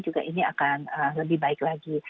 juga ini akan lebih baik lagi